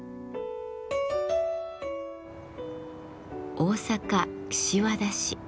大阪・岸和田市。